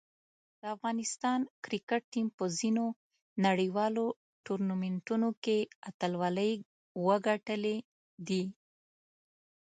د افغانستان کرکټ ټیم په ځینو نړیوالو ټورنمنټونو کې اتلولۍ وګټلې دي.